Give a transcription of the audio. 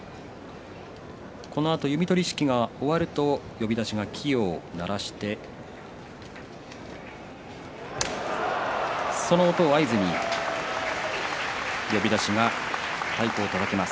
このあと弓取式が終わると呼出しが柝きを鳴らしてその音を合図に呼出しが太鼓をたたきます。